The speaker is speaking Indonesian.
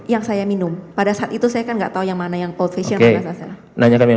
yang saya minum pada saat itu saya kan enggak tahu yang mana yang old fashioned yang mana yang sazerac